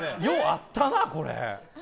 ようあったなこれ。